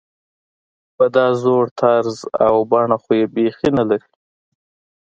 په دا زوړ طرز او بڼه خو یې بېخي نلري.